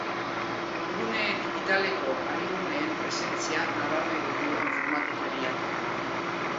Ingurune digitaleko ariguneen presentzia nabarmendu du informatikariak.